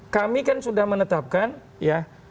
kami kan sudah menetapkan ya